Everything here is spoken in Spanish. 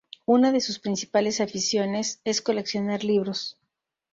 Una de sus principales aficiones es coleccionar libros.